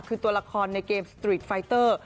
คือตัวละครในเกมสตรีทไฟเตอร์